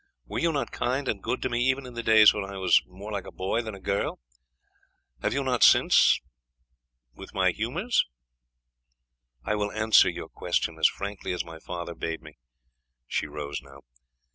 Were you not kind and good to me even in the days when I was more like a boy than a girl? Have you not since with my humours? I will answer your question as frankly as my father bade me." She rose now.